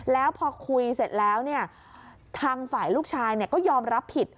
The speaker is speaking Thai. แล้วพอคุยเสร็จแล้วทางฝ่ายลูกชายก็ยอมรับผิด